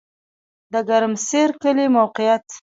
د ګرمسر کلی موقعیت